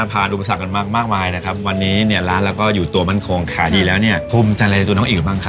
เพราะว่าโลกมันเดินไปมา